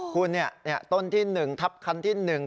คุณเนี่ยต้นที่หนึ่งทับคันที่หนึ่ง